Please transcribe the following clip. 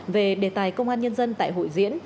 về đề tài công an nhân dân tại hội diễn